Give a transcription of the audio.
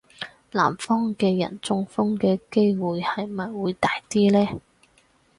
南方嘅人中風嘅機會係咪會大啲呢?